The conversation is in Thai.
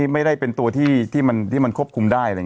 ไม่ได้เป็นตัวที่มันควบคุมได้